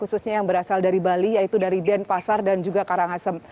khususnya yang berasal dari bali yaitu dari denpasar dan juga karangasem